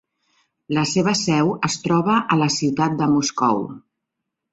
La seva seu es troba a la ciutat de Moscou.